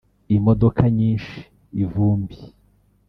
imodoka nyinshi (ivumbi